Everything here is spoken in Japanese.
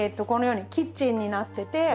このようにキッチンになってて。